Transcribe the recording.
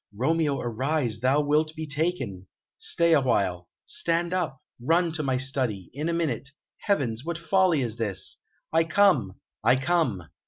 Romeo, arise; thou wilt be taken.... Stay awhile.... Stand up! Run to my study.... In a minute.... Heavens! what folly is this?... I come I come!"